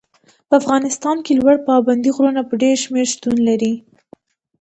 په افغانستان کې لوړ پابندي غرونه په ډېر شمېر شتون لري.